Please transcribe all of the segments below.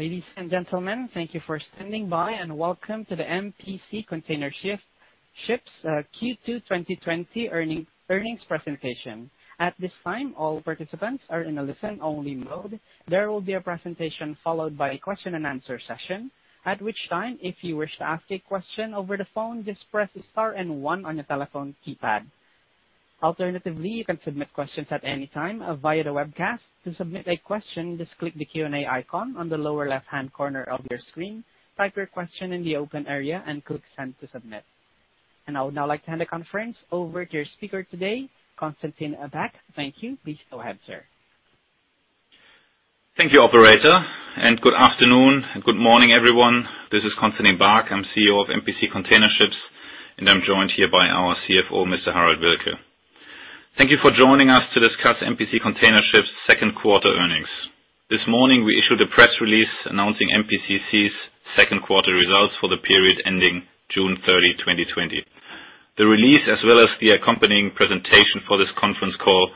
Ladies and gentlemen, thank you for standing by and welcome to the MPC Container Ships Q2 2020 earnings presentation. At this time, all participants are in a listen-only mode. There will be a presentation followed by a question-and-answer session, at which time, if you wish to ask a question over the phone, just press the star and one on your telephone keypad. Alternatively, you can submit questions at any time via the webcast. To submit a question, just click the Q&A icon on the lower left-hand corner of your screen, type your question in the open area, and click send to submit. I would now like to hand the conference over to your speaker today, Constantin Baack. Thank you. Please go ahead, sir. Thank you, Operator. Good afternoon and good morning, everyone. This is Constantin Baack. I'm CEO of MPC Container Ships, and I'm joined here by our CFO, Mr. Harold Wilcke. Thank you for joining us to discuss MPC Container Ships' second quarter earnings. This morning, we issued a press release announcing MPCC's second quarter results for the period ending June 30, 2020. The release, as well as the accompanying presentation for this conference call,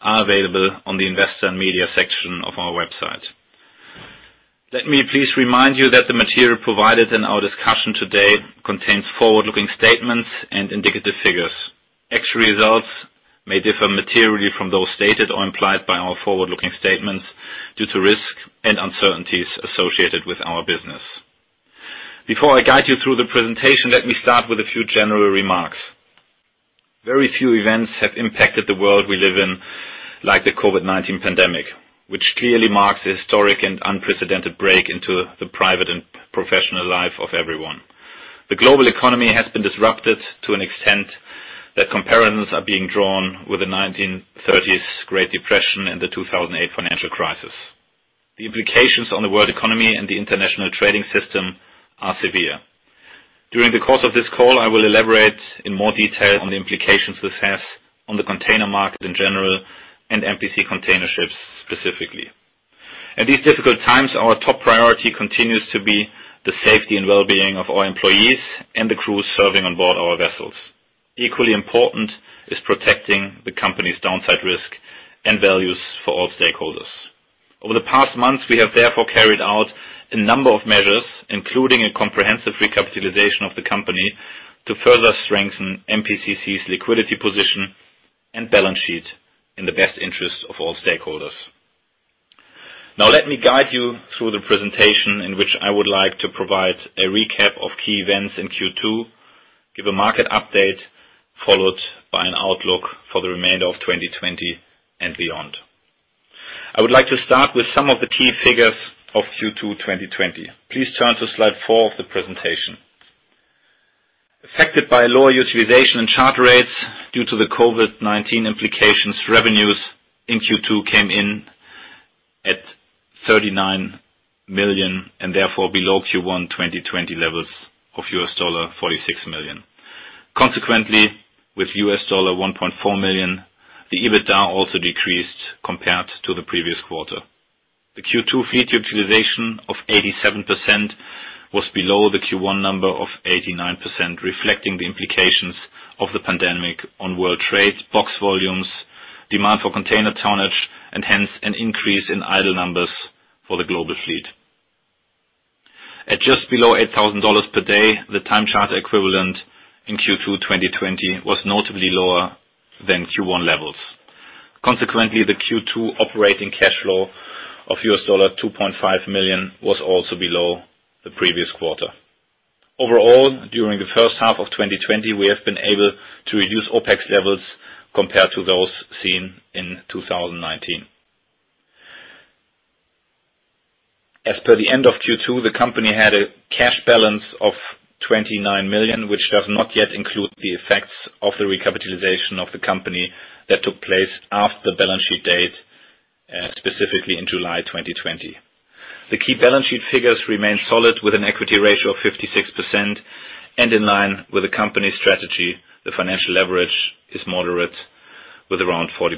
are available on the investor and media section of our website. Let me please remind you that the material provided in our discussion today contains forward-looking statements and indicative figures. Actual results may differ materially from those stated or implied by our forward-looking statements due to risk and uncertainties associated with our business. Before I guide you through the presentation, let me start with a few general remarks. Very few events have impacted the world we live in, like the COVID-19 pandemic, which clearly marks a historic and unprecedented break into the private and professional life of everyone. The global economy has been disrupted to an extent that comparisons are being drawn with the 1930s Great Depression and the 2008 financial crisis. The implications on the world economy and the international trading system are severe. During the course of this call, I will elaborate in more detail on the implications this has on the container market in general and MPC Container Ships specifically. At these difficult times, our top priority continues to be the safety and well-being of our employees and the crews serving on board our vessels. Equally important is protecting the company's downside risk and values for all stakeholders. Over the past months, we have therefore carried out a number of measures, including a comprehensive recapitalization of the company to further strengthen MPCC's liquidity position and balance sheet in the best interest of all stakeholders. Now, let me guide you through the presentation in which I would like to provide a recap of key events in Q2, give a market update, followed by an outlook for the remainder of 2020 and beyond. I would like to start with some of the key figures of Q2 2020. Please turn to slide four of the presentation. Affected by lower utilization and charter rates due to the COVID-19 implications, revenues in Q2 came in at $39 million and therefore below Q1 2020 levels of $46 million. Consequently, with $1.4 million, the EBITDA also decreased compared to the previous quarter. The Q2 fleet utilization of 87% was below the Q1 number of 89%, reflecting the implications of the pandemic on world trade, box volumes, demand for container tonnage, and hence an increase in idle numbers for the global fleet. At just below $8,000 per day, the time charter equivalent in Q2 2020 was notably lower than Q1 levels. Consequently, the Q2 operating cash flow of $2.5 million was also below the previous quarter. Overall, during the first half of 2020, we have been able to reduce OPEX levels compared to those seen in 2019. As per the end of Q2, the company had a cash balance of $29 million, which does not yet include the effects of the recapitalization of the company that took place after the balance sheet date, specifically in July 2020. The key balance sheet figures remain solid with an equity ratio of 56% and in line with the company's strategy. The financial leverage is moderate with around 40%.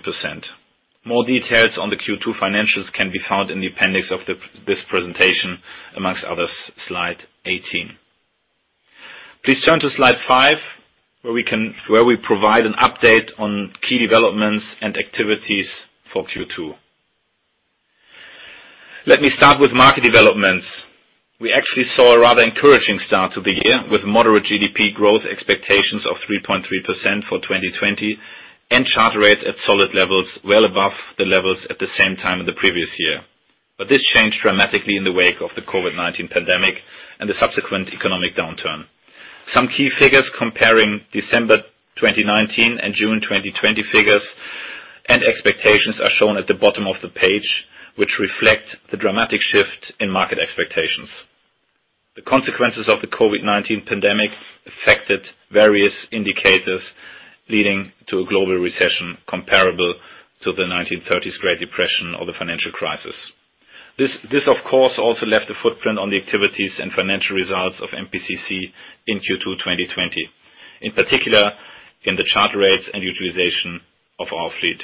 More details on the Q2 financials can be found in the appendix of this presentation, among others, slide 18. Please turn to slide five, where we provide an update on key developments and activities for Q2. Let me start with market developments. We actually saw a rather encouraging start to the year with moderate GDP growth expectations of 3.3% for 2020 and charter rates at solid levels, well above the levels at the same time in the previous year. But this changed dramatically in the wake of the COVID-19 pandemic and the subsequent economic downturn. Some key figures comparing December 2019 and June 2020 figures and expectations are shown at the bottom of the page, which reflect the dramatic shift in market expectations. The consequences of the COVID-19 pandemic affected various indicators leading to a global recession comparable to the 1930s Great Depression or the financial crisis. This, of course, also left a footprint on the activities and financial results of MPCC in Q2 2020, in particular in the charter rates and utilization of our fleet.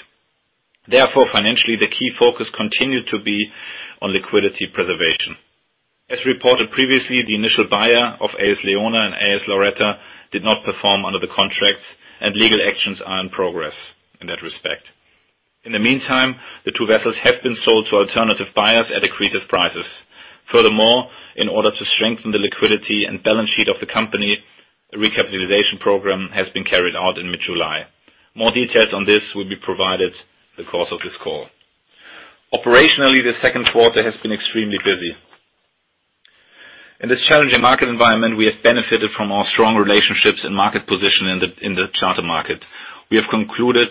Therefore, financially, the key focus continued to be on liquidity preservation. As reported previously, the initial buyer of AS Leona and AS Loretta did not perform under the contracts, and legal actions are in progress in that respect. In the meantime, the two vessels have been sold to alternative buyers at accretive prices. Furthermore, in order to strengthen the liquidity and balance sheet of the company, a recapitalization program has been carried out in mid-July. More details on this will be provided in the course of this call. Operationally, the second quarter has been extremely busy. In this challenging market environment, we have benefited from our strong relationships and market position in the charter market. We have concluded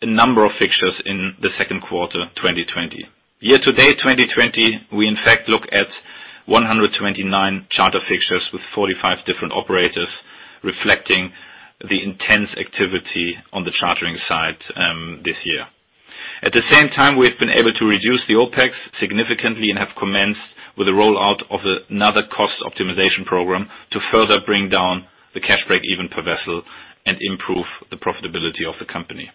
a number of fixtures in the second quarter 2020. Year-to-date 2020, we, in fact, look at 129 charter fixtures with 45 different operators, reflecting the intense activity on the chartering side, this year. At the same time, we have been able to reduce the OPEX significantly and have commenced with the rollout of another cost optimization program to further bring down the cash break-even per vessel and improve the profitability of the company.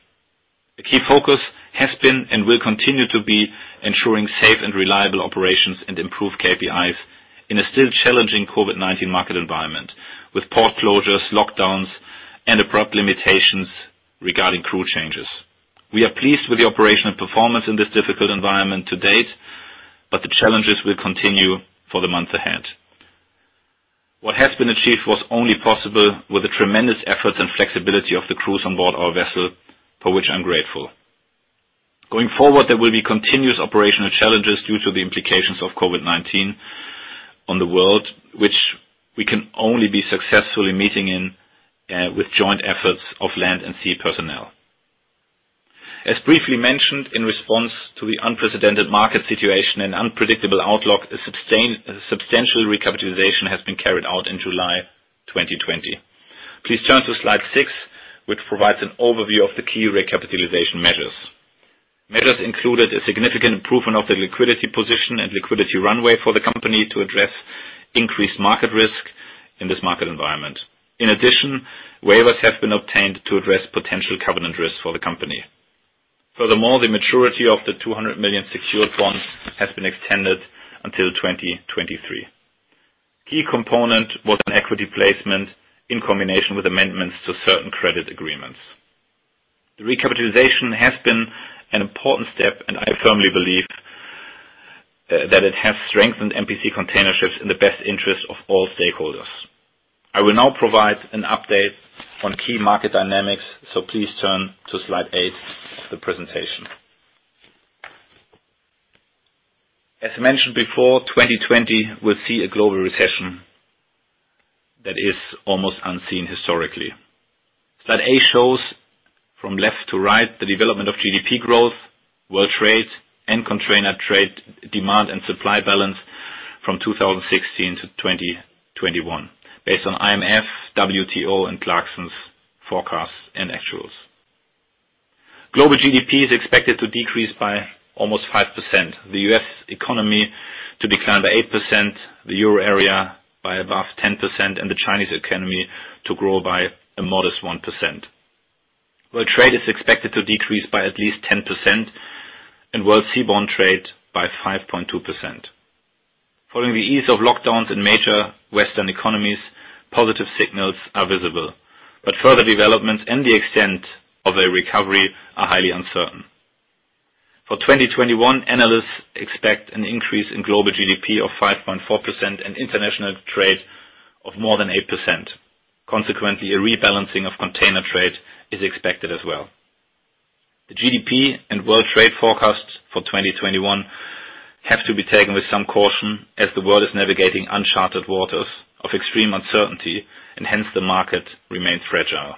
A key focus has been and will continue to be ensuring safe and reliable operations and improved KPIs in a still challenging COVID-19 market environment, with port closures, lockdowns, and abrupt limitations regarding crew changes. We are pleased with the operational performance in this difficult environment to date, but the challenges will continue for the month ahead. What has been achieved was only possible with the tremendous efforts and flexibility of the crews on board our vessel, for which I'm grateful. Going forward, there will be continuous operational challenges due to the implications of COVID-19 on the world, which we can only be successfully meeting in, with joint efforts of land and sea personnel. As briefly mentioned, in response to the unprecedented market situation and unpredictable outlook, a substantial recapitalization has been carried out in July 2020. Please turn to slide six, which provides an overview of the key recapitalization measures. Measures included a significant improvement of the liquidity position and liquidity runway for the company to address increased market risk in this market environment. In addition, waivers have been obtained to address potential covenant risk for the company. Furthermore, the maturity of the 200 million secured bonds has been extended until 2023. Key component was an equity placement in combination with amendments to certain credit agreements. The recapitalization has been an important step, and I firmly believe, that it has strengthened MPC Container Ships in the best interest of all stakeholders. I will now provide an update on key market dynamics, so please turn to slide eight of the presentation. As mentioned before, 2020 will see a global recession that is almost unseen historically. Slide eight shows from left to right the development of GDP growth, world trade, and container trade demand and supply balance from 2016 to 2021, based on IMF, WTO, and Clarksons forecasts and actuals. Global GDP is expected to decrease by almost 5%, the U.S. economy to decline by 8%, the euro area by above 10%, and the Chinese economy to grow by a modest 1%. World trade is expected to decrease by at least 10% and world seaborne trade by 5.2%. Following the easing of lockdowns in major Western economies, positive signals are visible, but further developments and the extent of a recovery are highly uncertain. For 2021, analysts expect an increase in global GDP of 5.4% and international trade of more than 8%. Consequently, a rebalancing of container trade is expected as well. The GDP and world trade forecasts for 2021 have to be taken with some caution as the world is navigating uncharted waters of extreme uncertainty, and hence the market remains fragile.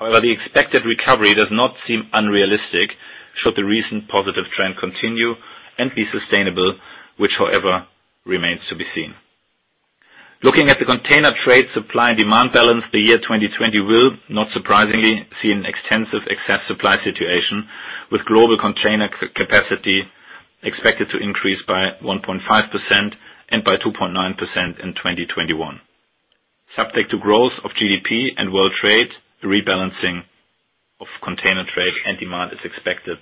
However, the expected recovery does not seem unrealistic should the recent positive trend continue and be sustainable, which, however, remains to be seen. Looking at the container trade supply and demand balance, the year 2020 will, not surprisingly, see an extensive excess supply situation, with global container capacity expected to increase by 1.5% and by 2.9% in 2021. Subject to growth of GDP and world trade, a rebalancing of container trade and demand is expected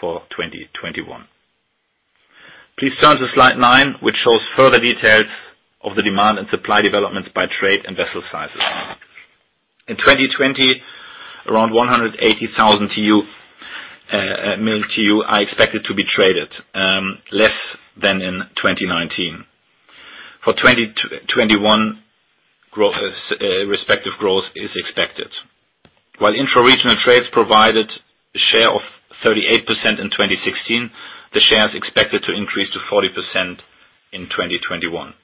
for 2021. Please turn to slide nine, which shows further details of the demand and supply developments by trade and vessel sizes. In 2020, around 180 million TEU are expected to be traded, less than in 2019. For 2021, growth, respective growth is expected. While intraregional trades provided a share of 38% in 2016, the share is expected to increase to 40% in 2021.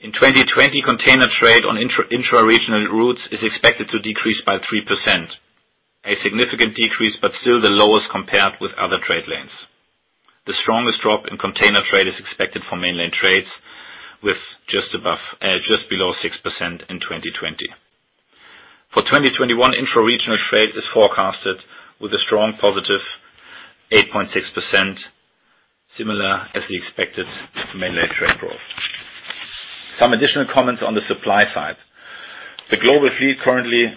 In 2020, container trade on intraregional routes is expected to decrease by 3%, a significant decrease, but still the lowest compared with other trade lanes. The strongest drop in container trade is expected for mainlane trades, with just above, just below 6% in 2020. For 2021, intraregional trade is forecasted with a strong positive 8.6%, similar as the expected mainlane trade growth. Some additional comments on the supply side. The global fleet currently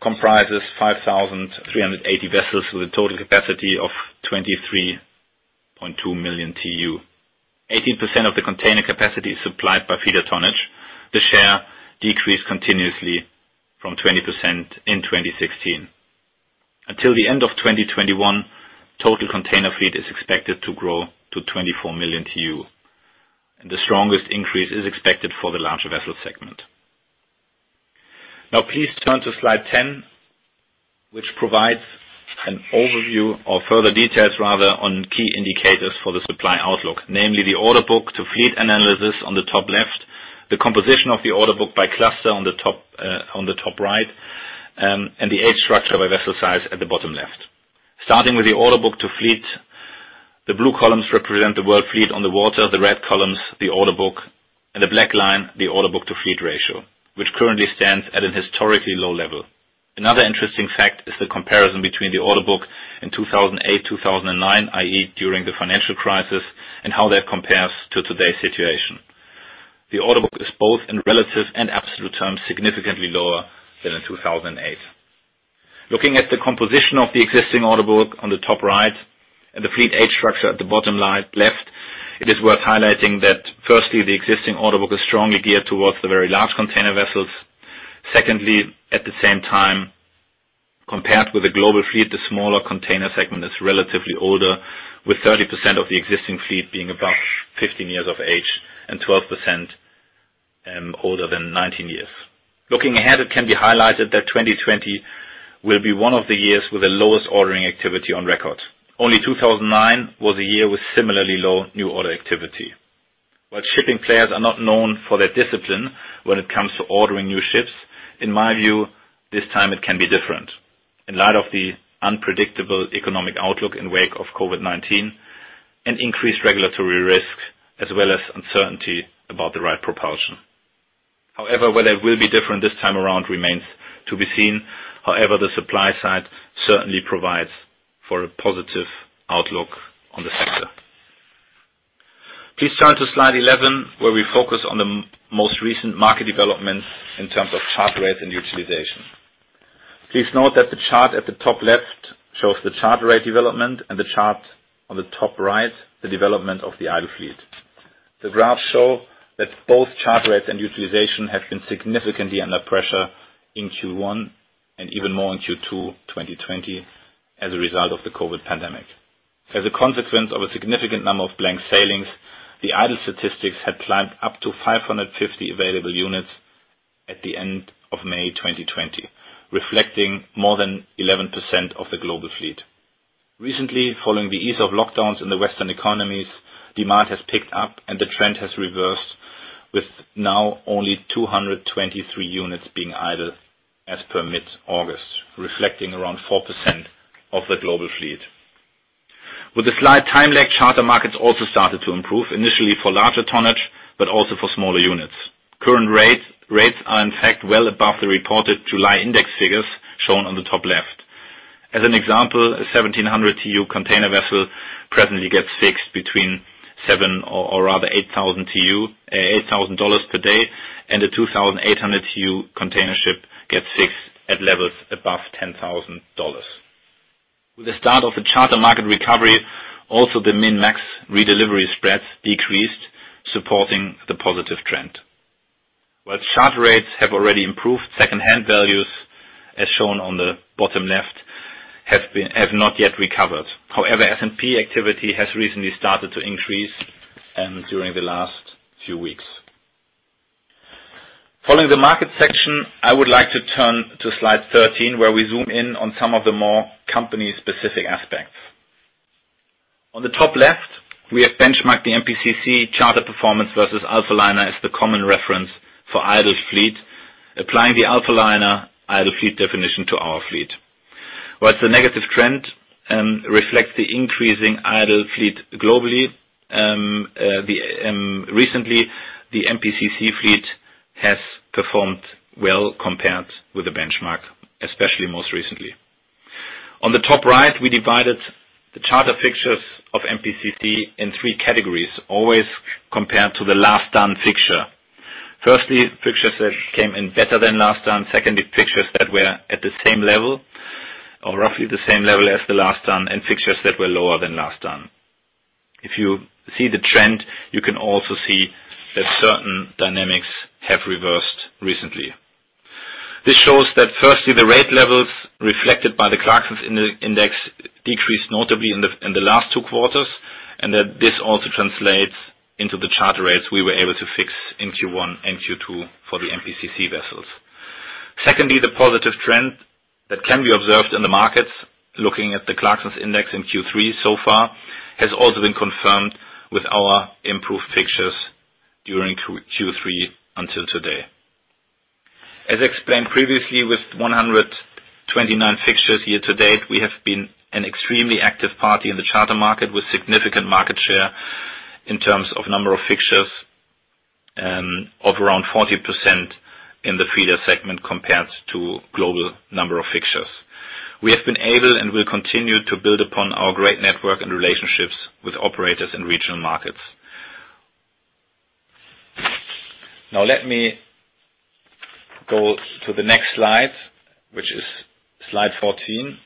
comprises 5,380 vessels with a total capacity of 23.2 million TEU. 18% of the container capacity is supplied by feeder tonnage. The share decreased continuously from 20% in 2016. Until the end of 2021, total container fleet is expected to grow to 24 million TEU, and the strongest increase is expected for the larger vessel segment. Now, please turn to slide 10, which provides an overview or further details, rather, on key indicators for the supply outlook, namely the order book to fleet analysis on the top left, the composition of the order book by cluster on the top, on the top right, and the age structure by vessel size at the bottom left. Starting with the order book to fleet, the blue columns represent the world fleet on the water, the red columns the order book, and the black line the order book to fleet ratio, which currently stands at a historically low level. Another interesting fact is the comparison between the order book in 2008, 2009, i.e., during the financial crisis, and how that compares to today's situation. The order book is both in relative and absolute terms significantly lower than in 2008. Looking at the composition of the existing order book on the top right and the fleet age structure at the bottom left, it is worth highlighting that, firstly, the existing order book is strongly geared towards the very large container vessels. Secondly, at the same time, compared with the global fleet, the smaller container segment is relatively older, with 30% of the existing fleet being about 15 years of age and 12%, older than 19 years. Looking ahead, it can be highlighted that 2020 will be one of the years with the lowest ordering activity on record. Only 2009 was a year with similarly low new order activity. While shipping players are not known for their discipline when it comes to ordering new ships, in my view, this time it can be different in light of the unpredictable economic outlook in wake of COVID-19 and increased regulatory risk, as well as uncertainty about the right propulsion. However, whether it will be different this time around remains to be seen. However, the supply side certainly provides for a positive outlook on the sector. Please turn to slide 11, where we focus on the most recent market developments in terms of charter rates and utilization. Please note that the chart at the top left shows the charter rate development and the chart on the top right the development of the idle fleet. The graphs show that both charter rates and utilization have been significantly under pressure in Q1 and even more in Q2 2020 as a result of the COVID pandemic. As a consequence of a significant number of blank sailings, the idle statistics had climbed up to 550 available units at the end of May 2020, reflecting more than 11% of the global fleet. Recently, following the ease of lockdowns in the Western economies, demand has picked up, and the trend has reversed, with now only 223 units being idle as per mid-August, reflecting around 4% of the global fleet. With the spot and time charter markets also started to improve, initially for larger tonnage, but also for smaller units. Current rates are, in fact, well above the reported July index figures shown on the top left. As an example, a 1,700 TEU container vessel presently gets fixed between $7,000 or, or rather $8,000 per day, and a 2,800 TEU container ship gets fixed at levels above $10,000. With the start of the charter market recovery, also the min/max redelivery spreads decreased, supporting the positive trend. While charter rates have already improved, second-hand values, as shown on the bottom left, have not yet recovered. However, S&P activity has recently started to increase during the last few weeks. Following the market section, I would like to turn to slide 13, where we zoom in on some of the more company-specific aspects. On the top left, we have benchmarked the MPCC charter performance versus Alphaliner as the common reference for idle fleet, applying the Alphaliner idle fleet definition to our fleet. While the negative trend reflects the increasing idle fleet globally, recently, the MPCC fleet has performed well compared with the benchmark, especially most recently. On the top right, we divided the charter fixtures of MPCC in three categories, always compared to the last done fixture. Firstly, fixtures that came in better than last done. Secondly, fixtures that were at the same level, or roughly the same level as the last done, and fixtures that were lower than last done. If you see the trend, you can also see that certain dynamics have reversed recently. This shows that, firstly, the rate levels reflected by the Clarksons index decreased notably in the last two quarters, and that this also translates into the charter rates we were able to fix in Q1 and Q2 for the MPCC vessels. Secondly, the positive trend that can be observed in the markets, looking at the Clarksons index in Q3 so far, has also been confirmed with our improved fixtures during Q3 until today. As explained previously, with 129 fixtures year to date, we have been an extremely active party in the charter market with significant market share in terms of number of fixtures, of around 40% in the feeder segment compared to global number of fixtures. We have been able and will continue to build upon our great network and relationships with operators in regional markets. Now, let me go to the next slide, which is slide 14,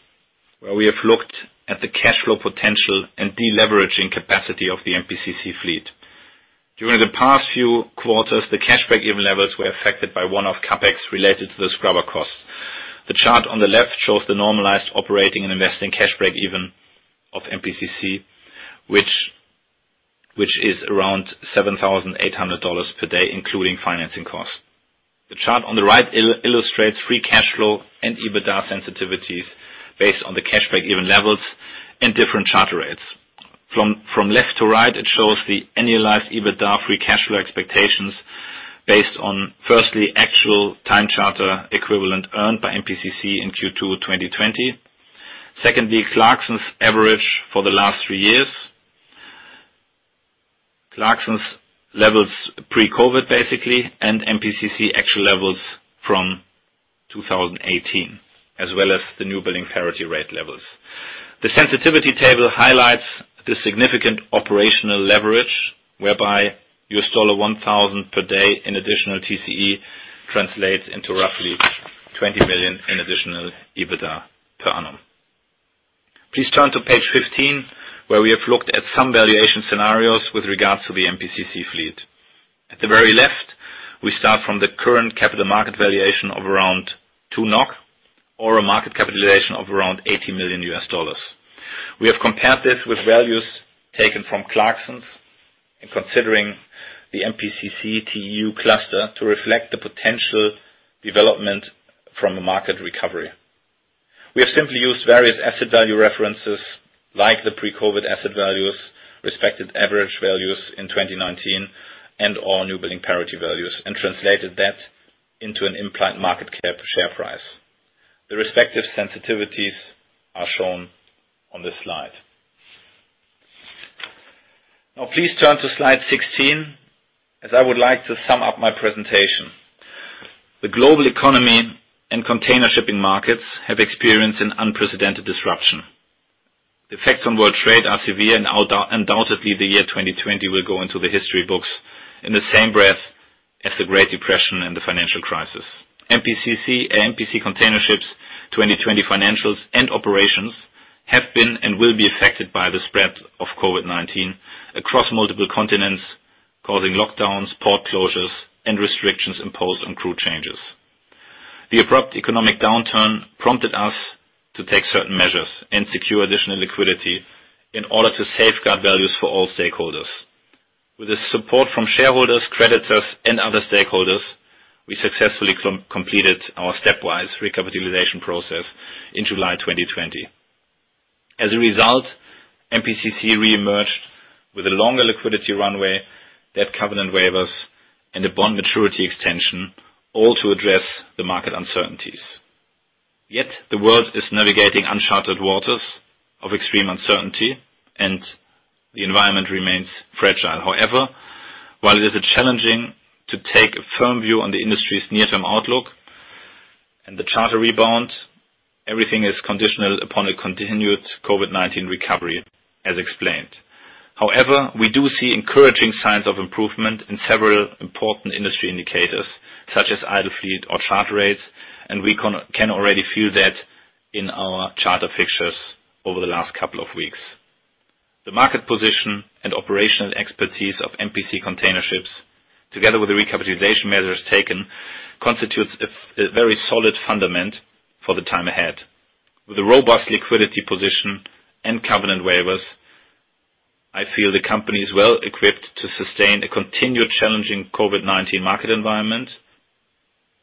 where we have looked at the cash flow potential and deleveraging capacity of the MPCC fleet. During the past few quarters, the cash break-even levels were affected by one-off CapEx related to the scrubber cost. The chart on the left shows the normalized operating and investing cash break-even of MPCC, which is around $7,800 per day, including financing cost. The chart on the right illustrates free cash flow and EBITDA sensitivities based on the cash break-even levels and different charter rates. From left to right, it shows the annualized EBITDA free cash flow expectations based on, firstly, actual time charter equivalent earned by MPCC in Q2 2020; secondly, Clarksons average for the last three years, Clarksons levels pre-COVID, basically, and MPCC actual levels from 2018, as well as the newbuilding parity rate levels. The sensitivity table highlights the significant operational leverage, whereby a $1,000 per day in additional TCE translates into roughly $20 million in additional EBITDA per annum. Please turn to page 15, where we have looked at some valuation scenarios with regard to the MPCC fleet. At the very left, we start from the current capital market valuation of around 2x NAV or a market capitalization of around $80 million. We have compared this with values taken from Clarksons and considering the MPCC TEU cluster to reflect the potential development from a market recovery. We have simply used various asset value references, like the pre-COVID asset values, respective average values in 2019, and/or newbuilding parity values, and translated that into an implied market cap share price. The respective sensitivities are shown on this slide. Now, please turn to slide 16, as I would like to sum up my presentation. The global economy and container shipping markets have experienced an unprecedented disruption. The effects on world trade are severe, and undoubtedly, the year 2020 will go into the history books in the same breath as the Great Depression and the financial crisis. MPCC and MPC Container Ships, 2020 financials and operations have been and will be affected by the spread of COVID-19 across multiple continents, causing lockdowns, port closures, and restrictions imposed on crew changes. The abrupt economic downturn prompted us to take certain measures and secure additional liquidity in order to safeguard values for all stakeholders. With the support from shareholders, creditors, and other stakeholders, we successfully completed our stepwise recapitalization process in July 2020. As a result, MPCC reemerged with a longer liquidity runway, debt covenant waivers, and a bond maturity extension, all to address the market uncertainties. Yet, the world is navigating uncharted waters of extreme uncertainty, and the environment remains fragile. However, while it is challenging to take a firm view on the industry's near-term outlook and the charter rebound, everything is conditional upon a continued COVID-19 recovery, as explained. However, we do see encouraging signs of improvement in several important industry indicators, such as idle fleet or charter rates, and we can already feel that in our charter fixtures over the last couple of weeks. The market position and operational expertise of MPC Container Ships, together with the recapitalization measures taken, constitutes a very solid fundament for the time ahead. With a robust liquidity position and covenant waivers, I feel the company is well equipped to sustain a continued challenging COVID-19 market environment,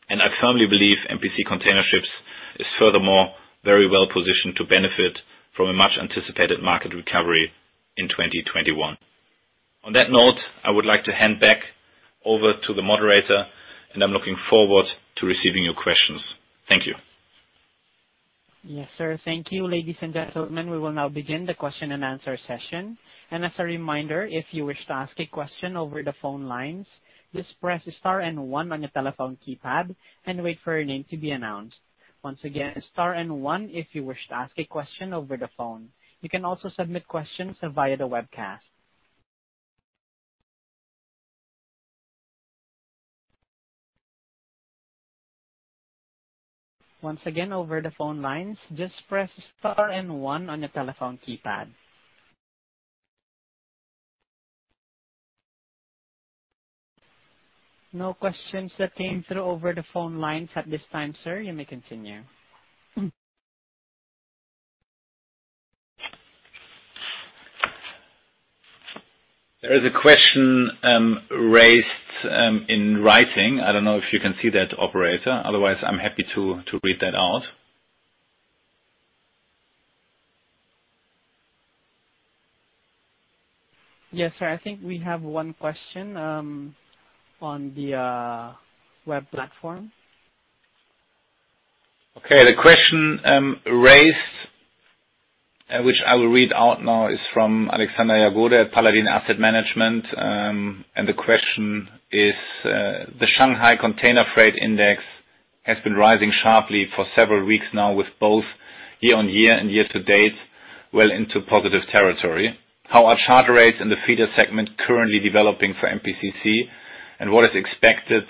and I firmly believe MPC Container Ships is furthermore very well positioned to benefit from a much-anticipated market recovery in 2021. On that note, I would like to hand back over to the moderator, and I'm looking forward to receiving your questions. Thank you. Yes, sir. Thank you. Ladies and gentlemen, we will now begin the question and answer session. And as a reminder, if you wish to ask a question over the phone lines, just press star and one on your telephone keypad and wait for your name to be announced. Once again, star and one if you wish to ask a question over the phone. You can also submit questions via the webcast. Once again, over the phone lines, just press star and one on your telephone keypad. No questions that came through over the phone lines at this time, sir. You may continue. There is a question raised in writing. I don't know if you can see that, operator. Otherwise, I'm happy to read that out. Yes, sir. I think we have one question on the web platform. Okay. The question raised, which I will read out now, is from Alexander Jagoda at Paladin Asset Management. And the question is, the Shanghai Container Freight Index has been rising sharply for several weeks now, with both year on year and year to date well into positive territory. How are charter rates in the feeder segment currently developing for MPCC, and what is expected?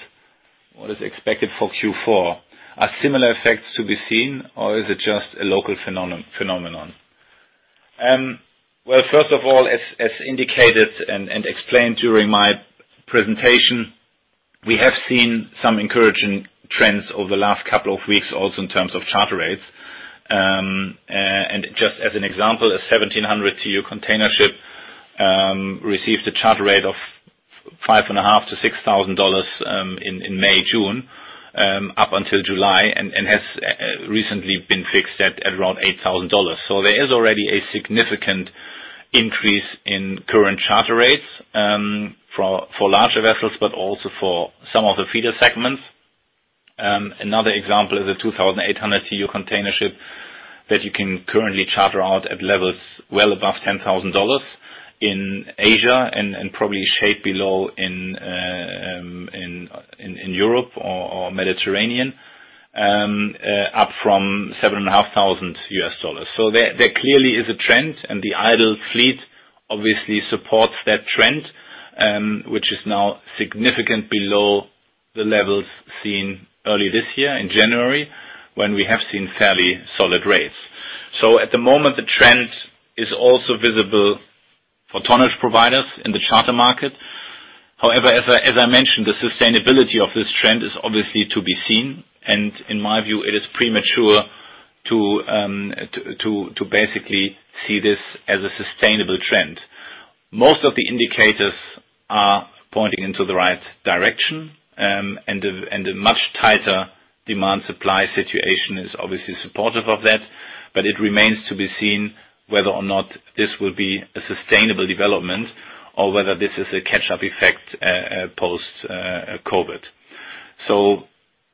What is expected for Q4? Are similar effects to be seen, or is it just a local phenomenon? Well, first of all, as indicated and explained during my presentation, we have seen some encouraging trends over the last couple of weeks, also in terms of charter rates. And just as an example, a 1,700 TEU container ship received a charter rate of $5,500-$6,000 in May, June, up until July and has recently been fixed at around $8,000. So there is already a significant increase in current charter rates for larger vessels, but also for some of the feeder segments. Another example is a 2,800 TEU container ship that you can currently charter out at levels well above $10,000 in Asia and probably same below in Europe or Mediterranean, up from $7,500. There clearly is a trend, and the idle fleet obviously supports that trend, which is now significantly below the levels seen early this year in January, when we have seen fairly solid rates. So at the moment, the trend is also visible for tonnage providers in the charter market. However, as I mentioned, the sustainability of this trend is obviously to be seen, and in my view, it is premature to basically see this as a sustainable trend. Most of the indicators are pointing into the right direction, and the much tighter demand-supply situation is obviously supportive of that, but it remains to be seen whether or not this will be a sustainable development or whether this is a catch-up effect post-COVID. So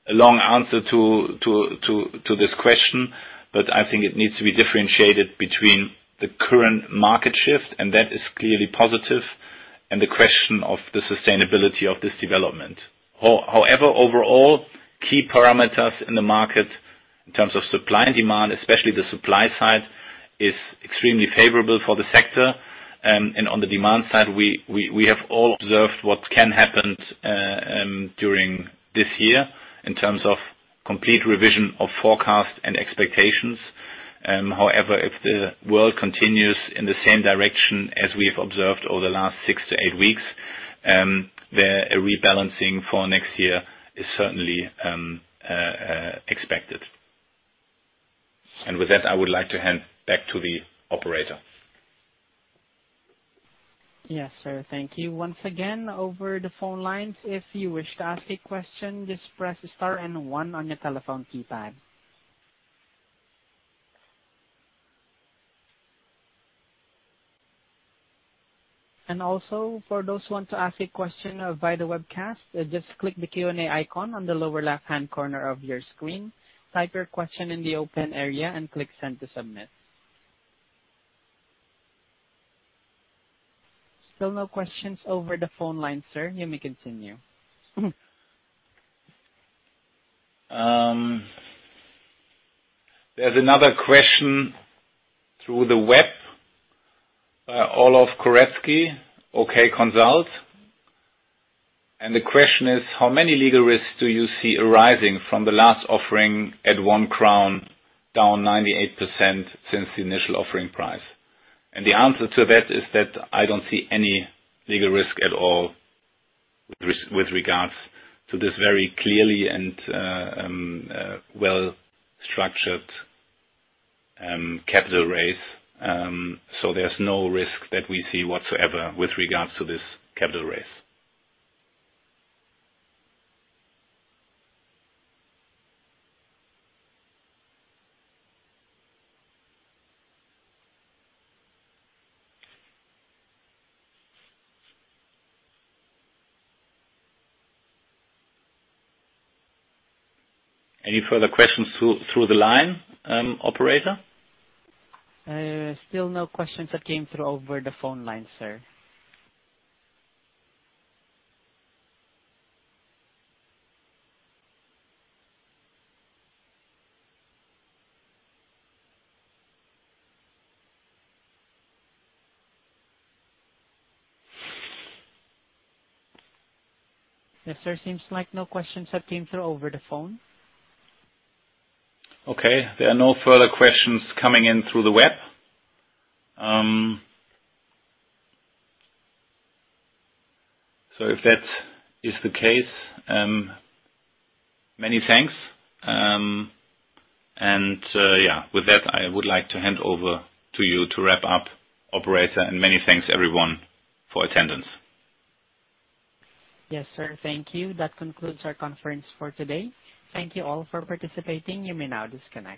a long answer to this question, but I think it needs to be differentiated between the current market shift, and that is clearly positive, and the question of the sustainability of this development. However, overall, key parameters in the market in terms of supply and demand, especially the supply side, is extremely favorable for the sector, and on the demand side, we have all observed what can happen during this year in terms of complete revision of forecast and expectations. However, if the world continues in the same direction as we have observed over the last six to eight weeks, where a rebalancing for next year is certainly expected. And with that, I would like to hand back to the operator. Yes, sir. Thank you. Once again, over the phone lines, if you wish to ask a question, just press star and one on your telephone keypad. And also, for those who want to ask a question via the webcast, just click the Q&A icon on the lower left-hand corner of your screen, type your question in the open area, and click send to submit. Still no questions over the phone line, sir. You may continue. There's another question through the web by Olaf Koretzki, Ok Consult. And the question is, how many legal risks do you see arising from the last offering at 1 crown down 98% since the initial offering price? And the answer to that is that I don't see any legal risk at all with regards to this very clearly and well-structured capital raise. So there's no risk that we see whatsoever with regards to this capital raise. Any further questions through the line, operator? Still no questions that came through over the phone line, sir. Yes, sir. Seems like no questions have come through over the phone. Okay. There are no further questions coming in through the web. So if that is the case, many thanks. And, yeah, with that, I would like to hand over to you to wrap up, operator, and many thanks, everyone, for attendance. Yes, sir. Thank you. That concludes our conference for today. Thank you all for participating. You may now disconnect.